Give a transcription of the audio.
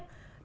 thật là vui